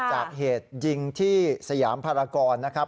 จากเหตุยิงที่สยามภารกรนะครับ